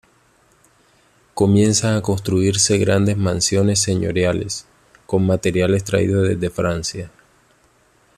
Comienzan a construirse grandes mansiones señoriales, con materiales traídos desde Francia.